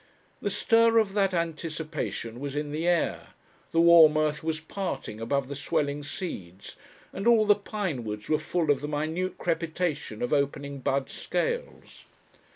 The stir of that anticipation was in the air, the warm earth was parting above the swelling seeds, and all the pine woods were full of the minute crepitation of opening bud scales.